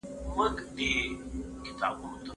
نوموړي په خپل شعر کې متروکې کلمې کارولې دي.